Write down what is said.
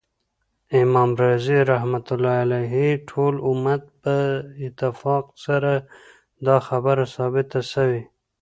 امام رازی رحمه الله : ټول امت په اتفاق سره دا خبره ثابته سوی